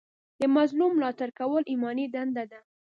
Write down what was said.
د مظلوم ملاتړ کول ایماني دنده ده.